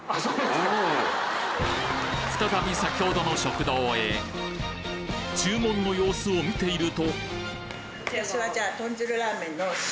再び先ほどの食堂へ注文の様子を見ているとえっ塩！？